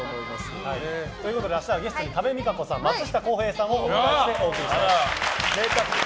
明日はゲストに多部未華子さん、松下洸平さんをお迎えしてお送りします。